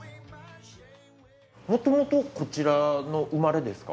もともとこちらの生まれですか？